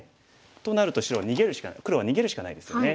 となると黒は逃げるしかないですよね。